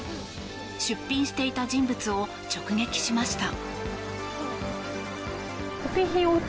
出品していた人物を直撃しました。